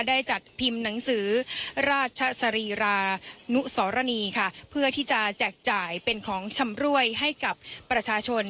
ได้จัดพิมพ์หนังสือราชสรีรานุสรณีค่ะเพื่อที่จะแจกจ่ายเป็นของชำรวยให้กับประชาชน